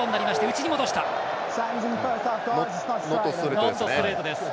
ノットストレートですね。